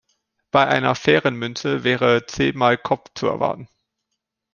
Bei einer fairen Münze wäre zehnmal „Kopf“ zu erwarten.